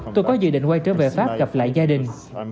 tôi có dự định quay trở về pháp gặp lại gia đình